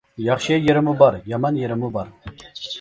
ياخشى يېرىمۇ بار، يامان يېرىمۇ بار.